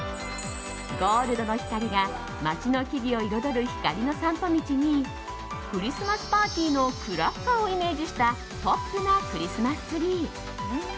ゴールドの光が街の木々を彩る光の散歩道にクリスマスパーティーのクラッカーをイメージしたポップなクリスマスツリー。